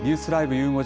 ゆう５時。